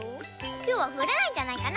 きょうはふらないんじゃないかな？